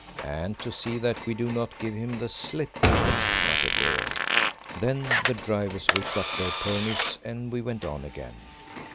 "And to see that we do not give him the slip in it," muttered Leo. Then the drivers whipped up their ponies, and we went on again.